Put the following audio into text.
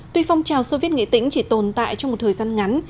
tuy phong trào soviet nghệ tĩnh chỉ tồn tại trong một thời gian ngắn